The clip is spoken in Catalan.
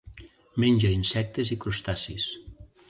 Menja insectes i crustacis.